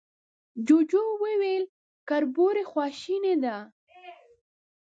جوجو وويل، کربوړی خواشينی دی.